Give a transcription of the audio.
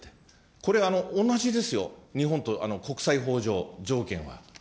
これ、同じですよ、日本と国際法上、条件は。